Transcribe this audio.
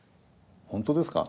本当ですか？